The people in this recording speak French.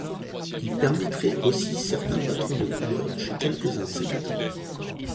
Il permettrait aussi certains patrons de couleurs chez quelques insectes.